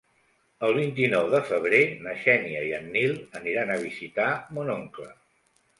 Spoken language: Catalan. El vint-i-nou de febrer na Xènia i en Nil aniran a visitar mon oncle.